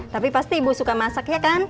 tapi pasti ibu suka masak ya kan